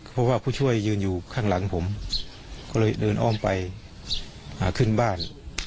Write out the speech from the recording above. เพราะว่าผู้ช่วยยืนอยู่ข้างหลังผมก็เลยเดินอ้อมไปหาขึ้นบ้าน